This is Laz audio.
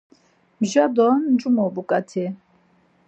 Mja do ncumu buǩatai?